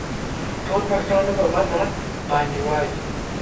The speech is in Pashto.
ټول پښتانه به بد در باندې وايي.